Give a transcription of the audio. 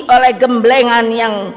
oleh gemblengan yang